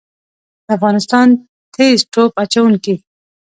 د افغانستان تیز توپ اچوونکي